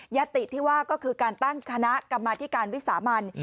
ติที่ว่าก็คือการตั้งคณะกรรมธิการวิสามัน